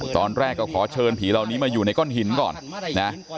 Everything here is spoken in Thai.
ตอนแรกก็ขอเชิญผีเหล่านี้มาอยู่ในก้อนหินก่อนนะ